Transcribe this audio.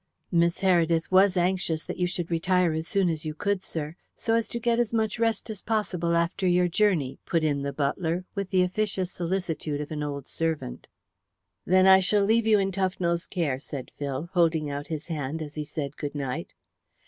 "Miss Heredith was anxious that you should retire as soon as you could, sir, so as to get as much rest as possible after your journey," put in the butler, with the officious solicitude of an old servant. "Then I shall leave you in Tufnell's care," said Phil, holding out his hand as he said good night.